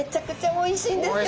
おいしいです。